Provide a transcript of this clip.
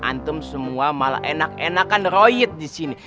antum semua malah enak enakan royet di sini